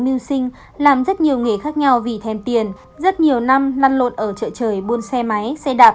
mưu sinh làm rất nhiều nghề khác nhau vì thèm tiền rất nhiều năm lăn lộn ở chợ trời buôn xe máy xe đạp